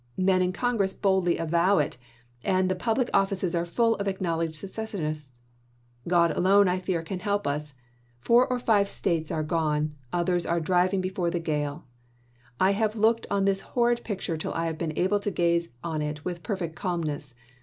Men in Congress boldly avow it, and the public offices are full of acknowledged secessionists. God alone, I fear, can help us. Four or five States are gone, others are driving before the gale. I have Corwin to l°°ked on this horrid picture till I have been able to gaze Lincoln, on it with perfect calmness.